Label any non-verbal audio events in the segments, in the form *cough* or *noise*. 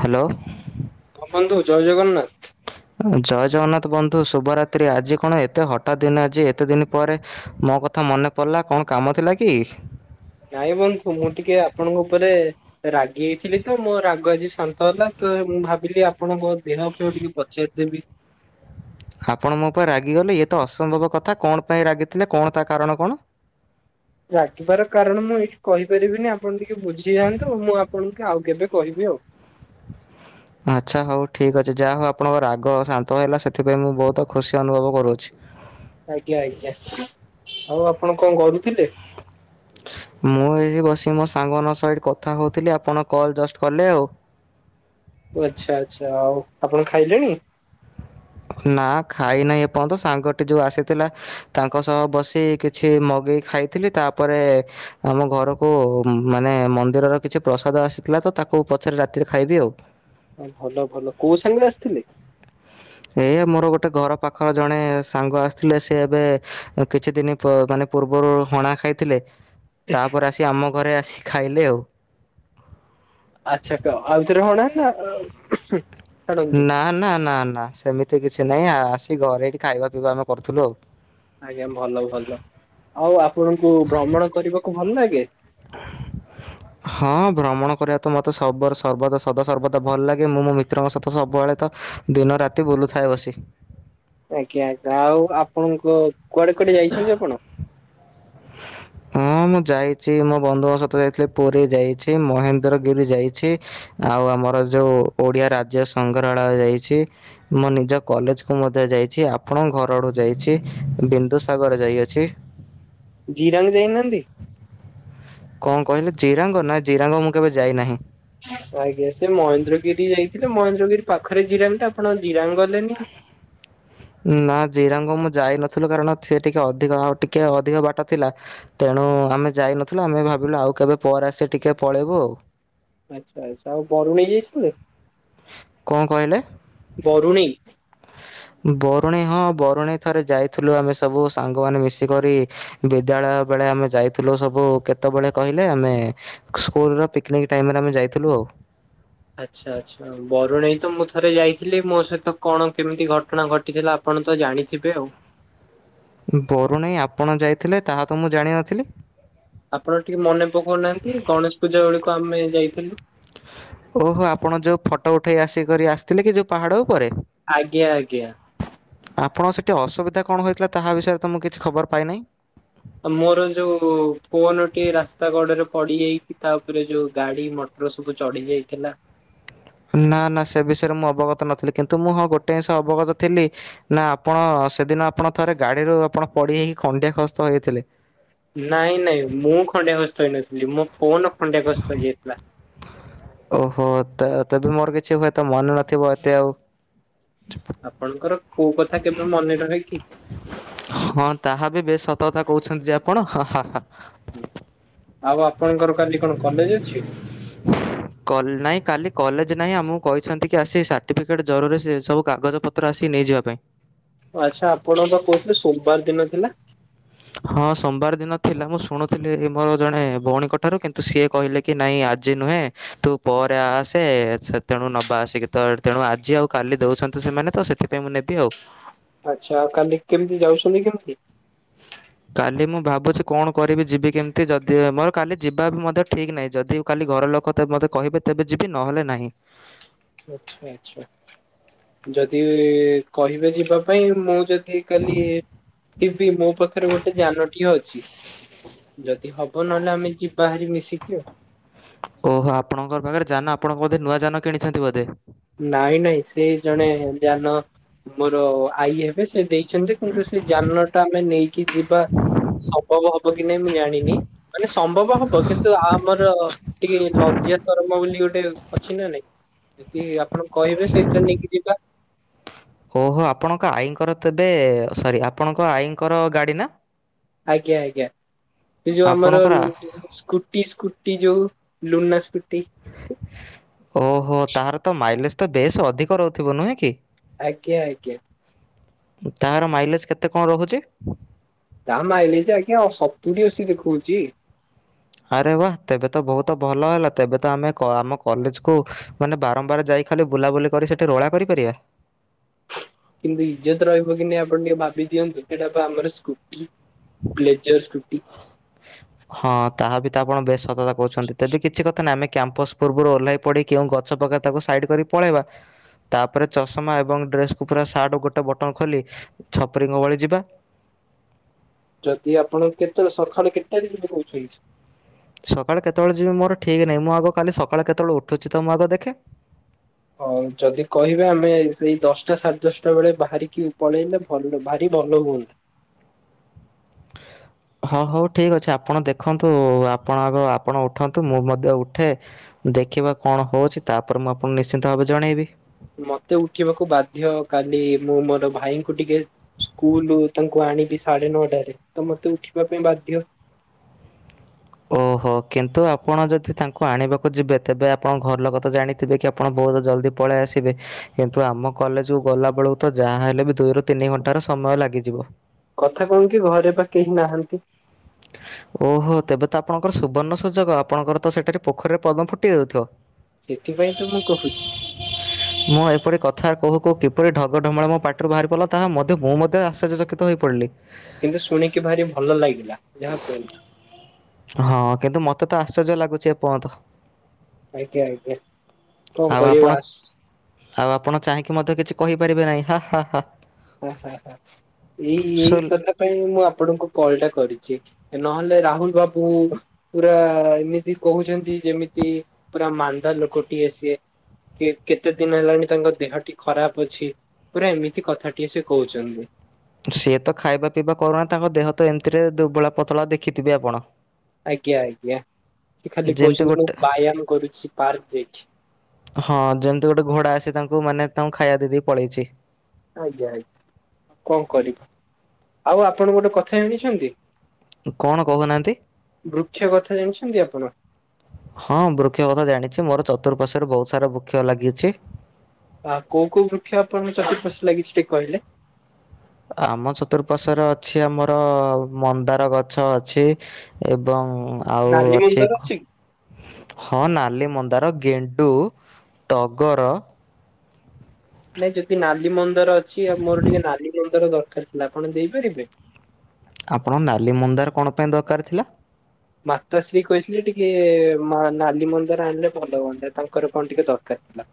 Hello. ହଁ ବନ୍ଧୁ ଜୟ ଜଗନ୍ନାଥ। ଜୟ ଜଗନ୍ନାଥ ବନ୍ଧୁ ଶୁଭରାତ୍ରି। ଆଜି କଣ ଏତେ ହଠାତ୍ ଦିନ, ଆଜି ଏତେ ଦିନ ପରେ। ମୋ କଥା ମନେ ପଡିଲା। କଣ କାମ ଥିଲା କି? ନାଇ ବନ୍ଧୁ, ମୁଁ ଟିକେ ଆପଣଙ୍କ ଉପରେ ରାଗି ହେଇଥିଲି ତ। ମୋ ରାଗ ଆଜି - ଶାନ୍ତ ହେଲା ତ। ମୁଁ ଭାବିଲି ଆପଣଙ୍କ ଦେହ ପାଇଁ ଟିକେ ପଚାରିଦେବି। ଆପଣ ମୋ ଉପରେ ରାଗିଗଲେ। ଇଏ ତ ଅସମ୍ଭବ କଥା କ ଣ? ପାଇଁ ରାଗିଥିଲେ କ ଣ? ତା କାରଣ କ ଣ? ରାଗିବାର କାରଣ ମୁଁ ଏଇଠି କହିପାରିବିନି। ଆପଣ ଟିକେ ବୁଝିଯାଆନ୍ତୁ। ମୁଁ ଆପଣଙ୍କୁ ଆଉ କେବେ କହିବି ଆଉ। ଆଚ୍ଛା ହଉ। ଠିକ୍ ଅଛି ଯାହା ହଉ ଆପଣଙ୍କ ରାଗ ଶାନ୍ତ ହେଲା। ସେଥିପାଇଁ ମୁଁ ବହୁତ ଖୁସି ଅନୁଭବ କରୁଅଛି। ଆଜ୍ଞା, ଆଜ୍ଞା। ଆଉ ଆପଣ କଣ କରୁଥିଲେ? ମୁଁ ଏଠି ବସିିକି ମୋ ସାଙ୍ଗମାନଙ୍କ ସହିତ କଥା କହୁଥିଲି। ଆପଣ କଲ୍ ଜଷ୍ଟ କଲେ ଆଉ। ଓ ଆଚ୍ଛା, ଆଚ୍ଛା। ଆଉ ଆପଣ ଖାଇଲେଣି? ନା ଖାଇ ନାହିଁ ଏଯ୍ୟନ୍ତ। ସାଙ୍ଗଟି ଯୋଉ ଆସିଥିଲା ତାଙ୍କ ସହ ବସି କିଛି ମଗେଇ ଖାଇଥିଲି। ତାପରେ ଆମ ଘରକୁ ମାନେ ମନ୍ଦିରର କିଛି ପ୍ରସାଦ ଆସିଥିଲା ତ, ତାକୁ ପଛରେ ରାତିରେ ଖାଇବି ଆଉ। ହଁ। ଭଲ, ଭଲ କୋଉ ସାଙ୍ଗରେ ଆସିଥିଲେ? ଏ ମୋର ଗୋଟେ ଘର ପାଖର ଜଣେ ସାଙ୍ଗ ଆସିଥିଲେ। ସେ ଏବେ କିଛି ଦିନ ମାନେ ପୂର୍ବରୁ ହଣା ଖାଇଥିଲେ। *inaudible* ତାପରେ ଆସି ଆମ ଘରେ ଆସି ଖାଇଲେ ଆଉ। ଆଚ୍ଛା। ଆଉଥରେ ହଣା ନା ଛାଡନ୍ତୁ ନା- ନା -ନା- ନା। ସେମିତି କିଛି ନାହିଁ ଆସି ଘରେ ଏଇଠି ଖାଇବା ପିଇବା ଆମେ କରୁଥିଲୁ ଆଉ। ଆଜ୍ଞା, ଭଲ -ଭଲ ଆଉ ଆପଣଙ୍କୁ ଭ୍ରମଣ କରିବାକୁ ଭଲ ଲଗେ। *inaudible* ହଁ ଭ୍ରମଣ କରିବା ତ ମୋତେ ସ ସର୍ବଦା, ସଦା ସର୍ବଦା ଭଲ ଲାଗେ ମୁଁ ମୋ ମିତ୍ରଙ୍କ ସହିତ ସବୁବେଳେ ତ ଦିନ ରାତି ବୁଲୁଥାଏ ବସି। ଆଜ୍ଞା, ଆଜ୍ଞା। ଆଉ ଆପଣଙ୍କ କୁଆଡେ, କୁଆଡେ ଯାଇଛନ୍ତି ଆପଣ। *inaudible* ହଁ ମୁଁ ଯାଇଛି ମୋ ବନ୍ଧୁଙ୍କ ସହିତ ଯାଇଥିଲି। ପୁରୀ ଯାଇଛି, ମହେନ୍ଦ୍ରଗିରି ଯାଇଛି। ଆଉ ଆମର ଯୋଉ ଓଡିଆ ରାଜ୍ୟ ସଂଗ୍ରହାଳୟ ଯାଇଛି। ମୁଁ ନିଜ କଲେଜକୁ ମଧ୍ୟ ଯାଇଛି। ଆପଣଙ୍କ ଘରଡ଼ୁ ଯାଇଛି ବିନ୍ଦୁସାଗର ଯାଇଅଛି। ଜୀ ରାଙ୍ଗ ଯାଇନାହାନ୍ତି। କଣ କହିଲେ ଜିରାଙ୍ଗ ନା ଜିରାଙ୍ଗ ମୁଁ କେବେ ଯାଇନାହିଁ। ଆଜ୍ଞା ସେ ମହେନ୍ଦ୍ରଗିରି ଯାଇଥିଲେ, ମହେନ୍ଦ୍ରଗିରି ପାଖରେ ଜିରାମ ଟା ଆପଣ ଜିରାମ ଗଲେନି। ନା ଜିରାଙ୍ଗ ମୁଁ ଯାଇନଥିଲୁ, କାରଣ ସେ ଟିକେ ଅଧିକ ଆଉ ଟିକେ ଅଧିକ ବାଟ ଥିଲା। ତେଣୁ ଆମେ ଯାଇନଥିଲୁ। ଆମେ ଭାବିଲୁ ଆଉ କେବେ ପରେ ଆସ ଟିକେ ପଳେଇବୁ ଆଉ। ଆଚ୍ଛା, ଆଚ୍ଛା। ଆଉ ବରୁ ନେଇଯାଇଥିଲ। କଣ କହିଲେ? ବରୁଣି। ବରୁଣି ହଁ ବରୁଣି ଥରେ ଯାଇଥିଲୁ ଆମେ ସବୁ ସାଙ୍ଗମାନେ ମିଶିକରି। ବିଦ୍ୟାଳୟ ବେଳେ ଆମେ ଯାଇଥିଲୁ ସବୁ କେତେବେଳେ କହିଲେ ଆମେ। ସ୍କୁଲ ର ପିକନିକ୍ ଟାଇମରେ ଆମେ ଯାଇଥିଲୁ ଆଉ। ଆଚ୍ଛା ଆଚ୍ଛା। ଆଉ ବରୁଣେଇ ତ ମୁଁ ଥରେ ଯାଇଥିଲି ମୋ ସହିତ କଣ କେମିତି ଘଟଣା ଘଟିଥିଲା ଆପଣ ତ ଜାଣିଥିବେ ଆଉ। ବରୁଣେଇ ଆପଣ ଯାଇଥିଲେ ତାହା ତ ମୁଁ ଜାଣିନଥିଲି। ଆପଣ ଟିକେ ମନେ ପକାଉନାହାନ୍ତି ଗଣେଶ ପୂଜା ବେଳକୁ ଆମେ ଯାଇଥିଲୁ। ଓହୋ ଆପଣ ଯୋଉ ଫଟୋ ଉଠେଇ ଆସ କରି ଆସିଥିଲେ କି ଯୋଉ ପାହାଡ ଉପରେ। ଆଜ୍ଞା ଆଜ୍ଞା। ଆପଣଙ୍କ ସେଇଠି ଅସୁବିଧା କଣ ହୋଇଥିଲା ତାହା ବିଷୟରେ ତ ମୁଁ କିଛି ଖବର ପାଇନାହିଁ। ମୋର ଯୋଉ ଫୋନଟି ରାସ୍ତା ଗଡରେ ପଡିଯାଇଛି ତା ଉପରେ ଯୋଉ ଗାଡି ମଟ। ର ସବୁ ଚଢି ଯାଇଥିଲା। ନା ନା ସେ ବିଷୟରେ ମୁଁ ଅବଗତ ନଥିଲି କିନ୍ତୁ ମୁଁ ହଁ ଗୋଟିଏ ଜିନିଷ ଅବଗତ ଥିଲି। ନା ଆପଣ ସେଦିନ ଆପଣ ଥରେ ଗାଡିରୁ ଆପଣ ପଡି ହେଇକି ଖଣ୍ଡିଆ ଖସ୍ତ ହେଇଥିଲେ। ନାଇଁ ନାଇଁ ମୁଁ ଖଣ୍ଡିଆ କସ୍ତ ହେଇନଥିଲି ମୋ ପୋନ ଖଣ୍ଡେ ଗସ୍ତ ହେଯାଇଥିଲା। ଓହୋ ତ ତେବେ ମୋର କିଛି ହୁଏତ ମନେ ନଥିବ ଏତେ ଆଉ। ଆପଣଙ୍କର କୋଉ କଥା କେବେ ମନେ ରହେ କି। ହଁ ତାହା ବି ବେଶ ସତ କଥା କହୁଛନ୍ତି ଯେ ଆପଣ। ହଁ ହଁ ହା ହା ହଁ ଆଉ ଆପଣଙ୍କର କାଲି କଣ କଲେଜ ଅଛି। କଲ ନାଇଁ କାଲି କଲେଜ ନାହିଁ ଆମକୁ କହିଛନ୍ତି କି ଆସି ସାର୍ଟିଫିକେଟ ଜରୁରୀ ସେ ସବୁ କାଗଜ ପ ତ୍ର ଆସି ନେଇଯିବା ପାଇଁ। ଆଚ୍ଛା ଆପଣ ତ କହୁଥିଲେ ସୋମବାର ଦିନ ଥିଲା। ହଁ ସୋମବାର ଦିନ ଥିଲା ମୁଁ ଶୁଣୁଥିଲି ମୋର ଜଣେ ଭଉଣୀଙ୍କ ଠାରୁ କିନ୍ତୁ ସିଏ କହିଲେ କି। କି ନାଇଁ ଆଜି ନୁହେଁ ତୁ ପରେ ଆସେ ସେ ତେଣୁ ନବା ଆସିକି ତ। ତେଣୁ ଆଜି ଆଉ କାଲି ଦଉଛନ୍ତି ସେମାନେ ତ ସେଥିପାଇଁ ମୁଁ ନେବି ଆଉ। ଆଚ୍ଛା ଆଉ କାଲି କେମିତି ଯାଉଛନ୍ତି କେମିତି? କାଲି ମୁଁ ଭାବୁଛି କଣ କରିବି ଯିବି କେମିତି ଯଦି ମୋର କାଲି ଯିବା ବି ମଧ୍ୟ ଠିକ୍ ନାହିଁ ଯଦି। କାଲି ଘର ଲୋକ ମୋତେ କହିବେ ତେବେ ଯିବି ନହେଲେ ନାହିଁ। ଆଚ୍ଛା ଆଛା ଯଦି କହିବେ ଯିବା ପାଇଁ ମୁଁ ଯଦି। କାଲି ଟିଭିି ମୋ ପାଖରେ ଗୋଟେ ଯାନଟିଏ ଅଛି। ଯଦି ହବ ନହେଲେ ଆମେ ଯିବାହାରି ମିଶିକି ଆଉ। ଓହୋ ଆପଣଙ୍କ ପାଖରେ ଯାନ ଆପଣଙ୍କ ବୋଧେ ନୂଆ ଯାନ କିଣିଛନ୍ତି ବୋଧେ। ନାଇଁ ନାଇଁ ସେ ଜଣେ ଯାନ ମୋର ଆଈ ହେବେ ସେ ଦେଇକି। ଛନ୍ତି କିନ୍ତୁ ସେ ଯାନଟା ଆମେ ନେଇକି ଯିବା ସମ୍ଭବ ହବ କି ନାଇଁ ମୁଁ ଜାଣିନି। ମାନେ ସମ୍ଭବ ହବ କିନ୍ତୁ ଆ ଆମର ଟିକେ ଲଜ୍ଜା ଶରମ ବୋଲି ଗୋଟେ ଅଛି ନା ନାଇଁ। ତି ଆପଣ କହିବେ ସେଇଥି ତ୍ ନେଇକି ଯିବା। ଓହୋ ଆପଣଙ୍କ ଆଈଙ୍କର ତେବେ ସରି ଆପଣଙ୍କ ଆଈଙ୍କର ଗାଡ଼ି ନା। ଆଜ୍ଞା ଆଜ୍ଞା ସେ ଯୋଉ ଆମର। ଆପଣଙ୍କର ସ୍କୁଟି ସ୍କୁଟି ଯୋଉ ଲୁନା ସ୍କୁଟି ଓହୋ ତାର ତ ମାଇଲେଜ ତ ବେଶ ଅଧିକ ରହୁଥିବ ନୁହେଁ କି। ଆଜ୍ଞା ଆଜ୍ଞା। ତାହାର ମାଇଲେଜ୍ କେତେ କଣ ରହୁଛି। ତା ମାଇଲେ ଯେ ଆଜ୍ଞା ଆଉ ସତୁଡି ଅସି ଦେଖଉଛି। ଆରେ ବା ତେବେ ତ ବହୁତ ଭଲ ହେଲା ତେବେ ତ ଆମେ ଆମ କଲେଜକୁ। ମାନେ ବାରମ୍ବାର ଯାଇ ଖାଲି ବୁଲାବୁଲି କରି ସେଠି ରୋଳା କରିପାରିବା। କିନ୍ତୁ ଇଜତ ରହିବ କି ନା ଆପଣ ଟିକେ ଭାବି ଦିଅନ୍ତୁ ସେଟା ଆମର ସ୍କୁଟି ବ୍ଲେଜର ସ୍କୁଟି ହଁ ତାହା ବି ତ ଆପଣ ବେଶ ସତତା କହୁଛନ୍ତି ତେବେ କିଛି କଥା ନାହିଁ ଆମେ କମ୍ପାସ ପୂର୍ବରୁ ଓହ୍ଲାଇ ପଡି କେଉଁ ଗଛ ପକା ତାକୁ ସାଇଡ୍ କରି ପଳେଇବା। ତାପରେ ଚଷମା ଏବଂ ଡ୍ରେସ୍କ କୁ ପୁରା ସାର୍ଟ ଗୋଟେ ବଟନ ଖୋଲି ଛପରିଙ୍କ ଭଳି ଯିବା। ଯଦି ଆପଣ କେତେଳେ ସକାଳୁ କେତେ ତାରିଖ *unintelligible* ସକାଳେ କେତେବେଳେ ଯିବି ମୋର ଠିକ୍ ନାହିଁ ମୁଁ ଆଗ କାଲି ସକାଳେ କେତେବେଳେ ଉଠୁଛି ତ ମୁଁ ଆଗ ଦେଖେ। ହଁ ଯଦି କହିବେ ଆମେ ସେଇ ଦଶଟା ସାଢ଼େ ଦଶଟା ବେଳେ ବାହାରିକି ପଳେଇଲେ ଭଲ ବାହାରି ଭଲ ହୁଅନ୍ତା। ହଁ ହଉ ଠିକ୍ ଅଛି ଆପଣ ଦେଖନ୍ତୁ ଆପଣ ଆଗ ଆପଣ ଉଠନ୍ତୁ ମୁଁ ମଧ୍ୟ ଉଠେ। ଦେଖିବା କଣ ହେଉଛି ତାପରେ ମୁଁ ଆପଣଙ୍କୁ ନିଶ୍ଚିନ୍ତ ଭାବେ ଜଣେଇବି। ମତେ ଉଠିବାକୁ ବାଧ୍ୟ କାଲି ମୁଁ ମୋର ଭାଇଙ୍କୁ ଟିକେ ସ୍କୁଲ ତାଙ୍କୁ ଆଣିବି ସାଢେ ନଅଟାରେ ତ ମତେ ଉଠିବା ପାଇଁ ବାଧ୍ୟ। ଓହୋ କିନ୍ତୁ ଆପଣ ଯଦି ତାଙ୍କୁ ଆଣିବାକୁ ଯିବେ ତେବେ ଆପଣ ଘରଲୋକ ତ ଜାଣି ଥିବେ କି ଆପଣ ବହୁତ ଜଲ୍ଦି ପଳେଇ ଆସିବେ କିନ୍ତୁ ଆମ କଲେଜକୁ ଗଲା ବେଳକୁ ତ ଯାହା ହେଲେ ବି ଦୁଇରୁ ତିନି ଘଣ୍ଟାର ସମୟ ଲାଗିଯିବ। କଥା କଣ କି ଘରେ ପା କେହି ନାହାନ୍ତି। ଓହୋ ତେବେ ତ ଆପଣଙ୍କର ସୁବର୍ଣ୍ଣ ସୁଯୋଗ ଆପଣଙ୍କର ତ ସେଠାରେ ପୋଖରୀରେ ପଦ୍ମ ଫୁଟି ଯାଉଥିବ। ସେଥିପାଇଁ ତ ମୁଁ କହୁଛି। ମୁଁ ଏପରି କଥା କହୁ କହୁ କିପରି ଢଗଢମାଳ ମୋ ପାଟିରୁ ବାହାରି ପାରିଲ ତାହା ମଧ୍ୟ ମୁଁ ମଧ୍ୟ ଆଶ୍ଚର୍ଯ୍ୟ ଚକିତ। ତ ହୋଇ ପଡ଼ିଲି। କିନ୍ତୁ ଶୁଣିକି ଭାରି ଭଲ ଲାଗିଲା ଯାହା କୁହନ୍ତୁ। ହଁ କିନ୍ତୁ ମତେ ତ ଆଶ୍ଚର୍ଯ୍ୟ ଲାଗୁଛି ଏ ପନ୍ତ। ଆଜ୍ଞା ଆଜ୍ଞା କଣ ଆଉ ଆପଣ କରିବାସ। ଆଉ ଆପଣ ଚାହିଁକି ମଧ୍ୟ କିଛି କହିପାରିବେ ନାହିଁ ହା ହା ହା। ହା ହା ହା ଏଇ ଏଇ ସୁଲ କଥା। ପାଇଁ ମୁଁ ଆପଣଙ୍କୁ କଲ ଟା କରିଛି ନହେଲେ ରାହୁଲ ବାବୁ ପୁରା ଏମିତି କହୁଛନ୍ତି ଯେମିତି ପୁରା ମାନ୍ଦା ଲୋକଟିଏ ସିଏ। କେତେ ଦିନ ହେଲାଣି ତାଙ୍କ ଦେହ ଟି ଖରାପ ଅଛି ପୁରା ଏମିତି କଥା। କିଏ ସେ କହୁଛନ୍ତି। ସିଏ ତ ଖାଇବା ପିଇବା କରୁନା ତାଙ୍କ ଦେହ ତ ଏମିତିରେ ଦୁର୍ବଳା ପତଳା ଦେଖିଥିବେ ଆପଣ। ଆଜ୍ଞା ଆଜ୍ଞା ସେ ଖାଲି ଯେମିତି କହୁଛନ୍ତି ମୁଁ ଗୋଟେ ବ୍ୟାୟାମ କରୁଛି ପାର୍କ ଯାଇକି। ହଁ ଯେମିତି ଗୋଟେ ଘୋଡା ଆସି ତାଙ୍କୁ ମାନେ ତାଙ୍କୁ ଖାଇବା ଦେଇଦି ପଳେଇଛି। ଆଜ୍ଞା ଆଜ୍ଞା କଣ କରିବ ଆଉ ଆପଣ ଗୋଟେ କଥା ଜାଣିଛନ୍ତି? କଣ କହୁନାହାଁନ୍ତି। ବୃକ୍ଷ କଥା ଜାଣିଛନ୍ତି ଆପଣ? ହଁ ବୃକ୍ଷ କଥା ଜାଣିଛି ମୋର ଚତୁର୍ପାର୍ଶ୍ୱରେ ବହୁତ ସାରା ବୃକ୍ଷ ଲାଗିଛି। ଆ କୋଉ କୋଉ ବୃକ୍ଷ ଆପଣଙ୍କୁ *unintelligible* ଲାଗିଛି ଟିକେ କହିଲେ? ଆମ ଚତୁଃପାର୍ଶ୍ଵରେ ଅଛି ଆମର ମନ୍ଦାର ଗଛ ଅଛି। ଏବଂ ଆଉ ନାଲି ଅଛି। ମନ୍ଦାର କି? ହଁ ନାଲି ମନ୍ଦାର ଗେଣ୍ଡୁ ଟଗର ନାଇଁ ଯଦି ନାଲି ମନ୍ଦାର ଅଛି। ଆଉ ମୋର ଟିକେ ନାଲି ମନ୍ଦାର ଦରକାର ଥିଲା ଆପଣ ଦେଇପାରିବେ? ଆପଣ ନାଲି ମନ୍ଦାର କଣ ପାଇଁ ଦରକାର ଥିଲା? ମାତଶ୍ରୀ କହିଥିଲେ ଟିକେ ନାଲି ମନ୍ଦାର ଆଣିଲେ ଭଲ ହୁଅନ୍ତା ତାଙ୍କର କଣ ଟିକେ ଦରକାର ଥିଲା।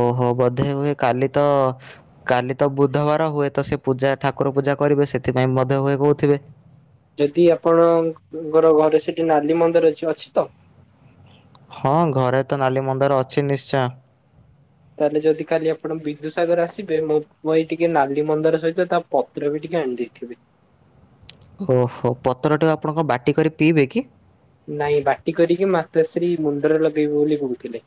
ଓହୋ ବୋଧେ ହୁଏ କାଲି ତ କାଲି ତ ବୁଧବାର ହୁଏ ତ ସେ ପୂଜା ଠାକୁର ପୂଜା କରିବେ ସେଥିପାଇଁ ମଧ୍ୟ ହୁଏ କହୁଥିବେ। ଯଦି ଆପଣଙ୍କର ଘରେ ସେଠି ନାଲି ମନ୍ଦାର ଅ ଅଛି ତ। ହଁ ଘରେ ତ ନାଲି ମନ୍ଦାର ଅଛି ନିଶ୍ଚୟ। ତାହେଲେ ଯଦି ଖାଲି ଆପଣ ବିନ୍ଦୁସାଗର ଆସିବେ ମୋ ଟିକେ ନାଲି ମନ୍ଦାର ସହିତ ତା ପତ୍ର ବି ଟିକେ ଆଣି ଦେଇଥିବେ। ଓହୋ ପତ୍ରଟିା ଆପଣଙ୍କ ବାଟ କରି ପିଇବେ କି? ନାଇଁ ବାଟି କରିକି ମାତାଶ୍ରୀ ମୁଣ୍ଡରେ ଲଗେଇବୁ ବୋଲି କହୁଥିଲେ।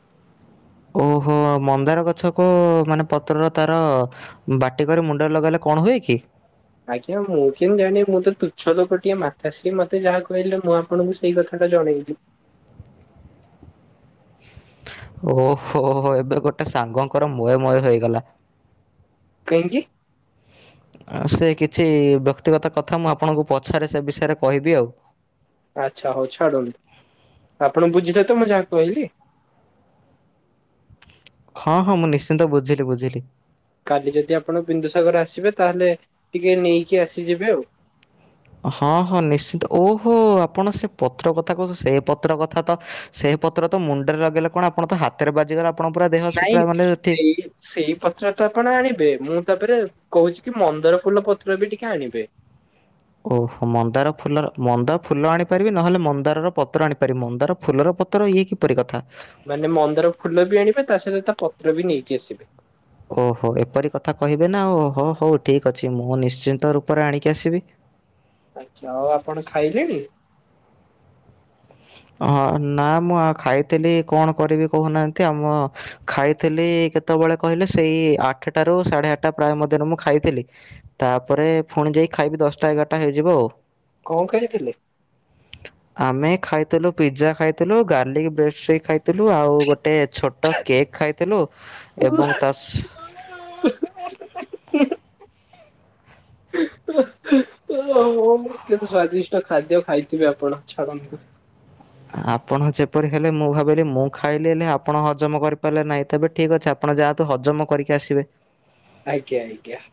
ଓହୋ ମନ୍ଦାର ଗଛକୁ ମାନେ ପତ୍ରର ତାର ବାଟକରିମୁଣ୍ଡରେ ଲଗାଇଲେ କଣ ହୁଏ କି? ଆଜ୍ଞା ମୁଁ କେମନ୍ତି ଜାଣିବି ମୁଁ ତୁଚ୍ଛ ଲୋକଟିିଏ ମାତାଶ୍ରୀ ମତେ ଯାହା କହିଲେ ମୁଁ ଆପଣଙ୍କୁ ସେଇ କଥା ଟା ଜଣେଇଲି। ଓହୋ ହୋ ଏବେ ଗୋଟେ ସାଙ୍ଗଙ୍କର ମୟେ ମୋୟେ ହେଇଗଲା। କାହିଁକି? ଆ ସେ କିଛି ବ୍ୟକ୍ତିଗତ କଥା ମୁଁ ଆପଣଙ୍କୁ ପଛରେ ସେ ବିଷୟରେ କହିବି ଆଉ। ଆଚ୍ଛା ହଉ ଛାଡ଼ନ୍ତୁ। ଆପଣ ବୁଝିଲେ ତ ମୁଁ ଯାହା କହିଲି? ହଁ ହଁ ମୁଁ ନିଶ୍ଚିନ୍ତ ବୁଝିଲି ବୁଝିଲି। କାଲି ଯଦି ଆପଣ ବିନ୍ଦୁସାଗର ଆସିବେ ତାହେଲେ ଟିକେ ନେଇକି ଆସିଯିବେ ଆଉ। ହଁ ହଁ ନିଶ୍ଚିନ୍ତ ଓହୋ ଆପଣ ସେ ପତ୍ର କଥା କହୁଛନ୍ତି। ସେ ପତ୍ର କଥା ତ ସେହି ପତ୍ର ତ ମୁଣ୍ଡରେ ଲଗେଇଲେ କଣ ଆପଣ ତ ହାତରେ ବାଜିଗଲା ଆପଣ ପୁରା ଦେହ ନାଇଁ ପୁରା ମାନେ ଠିକ୍ ସେଇ ସେଇ ପତ୍ର ତ ଆପଣ ଆଣିବେ ମୁଁ ତାପରେ କହୁଛି କି ମନ୍ଦାର ଫୁଲ ପତ୍ର ବି ଟିକେ ଆଣିବେ? ଓହୋ ମନ୍ଦାର ଫୁଲର ମନ୍ଦାର ଫୁଲ ଆଣିପାରିବି ନହେଲେ ମନ୍ଦାରର ପତ୍ର ଆଣିପାରିବି ମନ୍ଦାର ଫୁଲର ପତ୍ର ଇଏ କି କିପରି କଥା। ମାନେ ମନ୍ଦାର ଫୁଲ ବି ଆଣିବେ ତା ସହିତ ତା ପତ୍ର ବି ନେଇକି ଆସିବେ। ଓହୋ ଏପରି କଥା କହିବେ ନା ହୋ ହୋ ହଉ ଠିକ୍ ଅଛି ମୁଁ ନିଶ୍ଚିନ୍ତ ରୂପରେ ଆଣିକି ଆସିବି। ଆଛା ଆଉ ଆପଣ ଖାଇଲେଣି? ହଁ ନା ମୁଁ ଖାଇଥିଲି କଣ କରିବି କହୁନାହାନ୍ତି ଆମ ଖାଇଥିଲି କେତେବେଳେ କହିଲେ ସେଇ ଆଠଟା ରୁ ସାଢେ ଆଠଟା ପ୍ରାୟ ମଧ୍ୟରେ ମୁଁ ଖାଇଥିଲି। ତାପରେ ପୁଣି ଯାଇକି ଖାଇବି ଦଶଟା ଏଗାରଟା ହେଇଯିବ ଆଉ। କଣ ଖାଇଥିଲେ? ଆମେ ଖାଇଥିଲୁ ପିଜ୍ଜା ଖାଇଥିଲୁ। ଗାର୍ଲିକ ବ୍ରେଡସିକ୍ ଖାଇଥିଲୁ। ଆଉ ଗୋଟେ ଛୋଟ କେକ୍ ଖାଇ ଥିଲୁ ଏବଂ ତା ସ *inaudible* ଓହୋ ମୁଁ କେତେ ସ୍ଵାଦିଷ୍ଟ ଖାଦ୍ୟ ଖାଇଥିବେ ଆପଣ ଛାଡ଼ନ୍ତୁ। ଆପଣ ଯେପରି ହେଲେ ମୁଁ ଭାବିଲି ମୁଁ ଖାଇଲି ହେଲେ ଆପଣ ହଜମ କରିପାରିଲେ ନାହିଁ ତେବେ ଠିକ୍ ଅଛି ଆପଣ ଯାଆନ୍ତୁ ହଜମ କରିକି ଆସିବେ? ଆଜ୍ଞା ଆଜ୍ଞା।